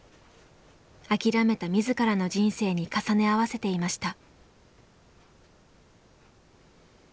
諦めた自らの人生に重ね合わせていました。